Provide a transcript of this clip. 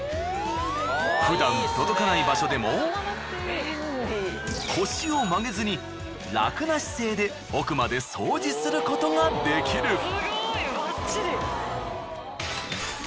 ふだん届かない場所でも腰を曲げずに楽な姿勢で奥まで掃除することができる。